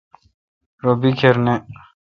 رو بیکھر نہ۔